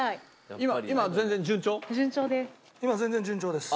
今全然順調です。